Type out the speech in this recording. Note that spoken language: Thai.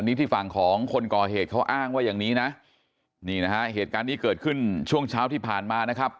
นี่ที่ฝั่งของคนก่อเหตุเขาอ้างว่าอย่างนี้นะนี่นะฮะเหตุการณ์นี้เกิดขึ้นช่วงเช้าที่ผ่านมานะครับ